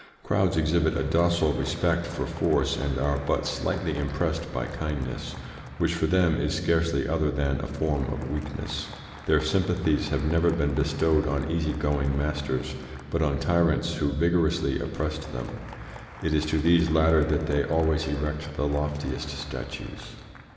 Crowds exhibit a docile respect for force, and are but slightly impressed by kindness, which for them is scarcely other than a form of weakness. Their sympathies have never been bestowed on easy going masters, but on tyrants who vigorously oppressed them. It is to these latter that they always erect the loftiest statues.